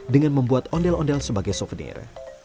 dengan membuat ondel ondel sebagai souvenir